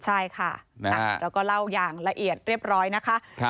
ใช่ค่ะเราก็เล่าอย่างละเอียดเรียบร้อยนะคะ